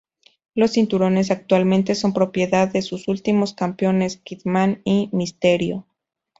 Los cinturones actualmente son propiedad de sus últimos campeones Kidman y Mysterio.